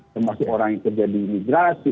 termasuk orang yang kerja di imigrasi